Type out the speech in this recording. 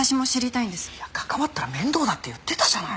いや関わったら面倒だって言ってたじゃない。